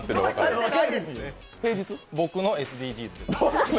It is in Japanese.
僕のＳＤＧｓです。